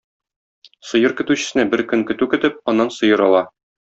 Сыер көтүчесенә бер көн көтү көтеп, аннан сыер ала.